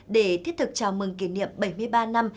để thiết thực chào mừng kỷ niệm bảy mươi ba năm